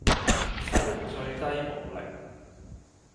使用最低武力